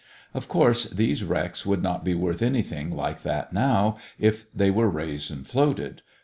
Of course these wrecks would not be worth anything like that now, if they were raised and floated.